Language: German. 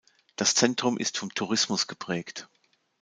Das Zentrum ist vom Tourismus geprägt.